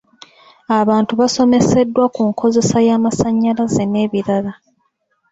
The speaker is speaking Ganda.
Abantu basomeseddwa ku nkozesa y'amasannyalaze n'ebirala.